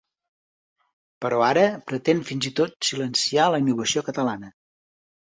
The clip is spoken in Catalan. Però ara pretén fins i tot silenciar la innovació catalana.